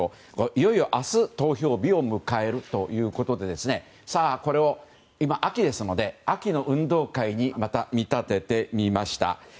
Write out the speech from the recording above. いよいよ明日投票日を迎えるということでこれを秋ですので秋の運動会にまた見立ててみました。